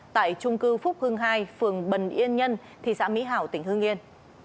tại trung cư phúc hưng hai phường bần yên nhân thị xã mỹ hảo tỉnh hương yên